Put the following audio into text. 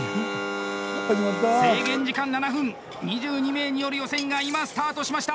制限時間７分２２名による予選が今スタートしました！